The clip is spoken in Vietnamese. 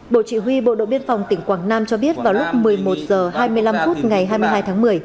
bộ chỉ huy bộ đội biên phòng tỉnh quảng nam cho biết vào lúc một mươi một h hai mươi năm phút ngày hai mươi hai tháng một mươi